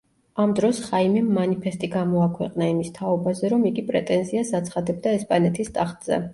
ამ დროს ხაიმემ მანიფესტი გამოაქვეყნა, იმის თაობაზე, რომ იგი პრეტენზიას აცხადებდა ესპანეთის ტახტზე.